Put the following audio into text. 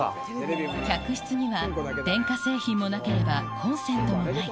客室には電化製品もなければ、コンセントもない。